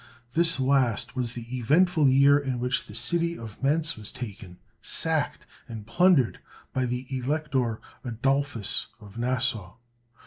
This last was the eventful year in which the city of Mentz was taken, sacked, and plundered by the Elector Adolphus of Nassau.